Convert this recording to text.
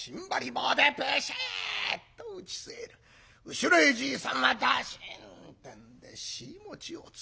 後ろへじいさんはドシンってんで尻餅をつく。